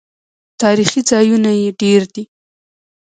تاریخي ځایونه یې ډیر دي.